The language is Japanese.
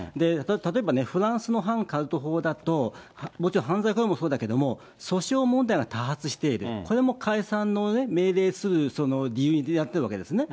例えば、フランスの反カルト法だと、もちろん、犯罪行為もそうだけれども、訴訟問題が多発している、これも解散の命令する、理由になってるわけですね。